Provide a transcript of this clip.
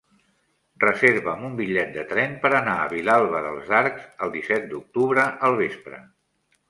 Reserva'm un bitllet de tren per anar a Vilalba dels Arcs el disset d'octubre al vespre.